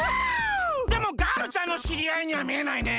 でもガールちゃんのしりあいにはみえないね。